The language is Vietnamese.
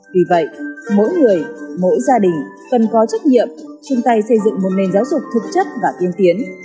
vì vậy mỗi người mỗi gia đình cần có trách nhiệm chung tay xây dựng một nền giáo dục thực chất và tiên tiến